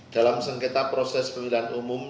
dalam sengketa proses pemilihan umum